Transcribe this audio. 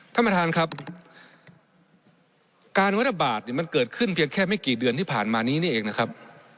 ท่านประธานครับการวัดระบาดเนี่ยมันเกิดขึ้นเพียงแค่ไม่กี่เดือนที่ผ่านมานี้นี่เองนะครับ